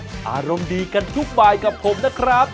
อารมณ์ดีกันทุกบายกับผมนะครับ